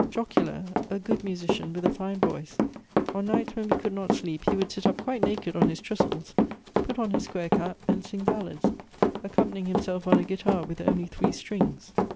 Jocular, a good musician with a fine voice, on nights when we could not sleep he would sit up quite naked on his trestles, put on his square cap, and sing ballads, accompanying himself on a guitar with only three strings.